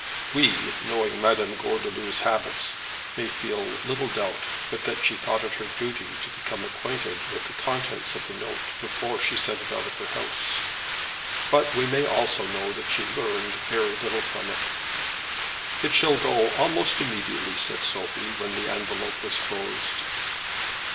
We, knowing Madame Gordeloup's habits, may feel little doubt but that she thought it her duty to become acquainted with the contents of the note before she sent it out of her house, but we may also know that she learned very little from it. "It shall go, almost immediately," said Sophie, when the envelope was closed.